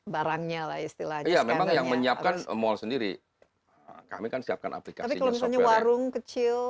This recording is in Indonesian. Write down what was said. barangnya lah istilahnya memang yang menyiapkan mall sendiri kami kan siapkan aplikasi warung kecil